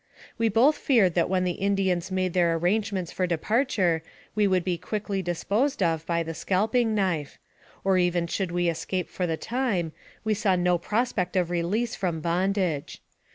"We both feared that when the Indians made their arrangements for departure we would be quickly dis posed of by the scalping knife; or even should we escape for the time, we saw no prospect of release from bondage.